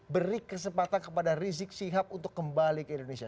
beri kesempatan kepada rizieq shihab untuk kembali ke indonesia